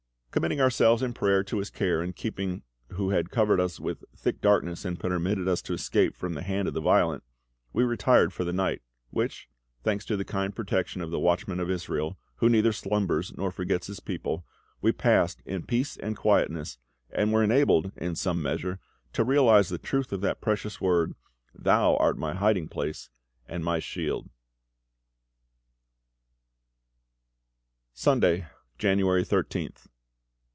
Committing ourselves in prayer to His care and keeping Who had covered us with thick darkness and permitted us to escape from the hand of the violent, we retired for the night; which thanks to the kind protection of the WATCHMAN OF ISRAEL, who neither slumbers nor forgets His people we passed in peace and quietness, and were enabled, in some measure, to realise the truth of that precious word, "Thou art my Hiding place, and my Shield." _Sunday, January 13th.